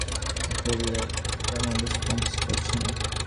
আলো ফেললেও তেমন রেসপন্স করছে না।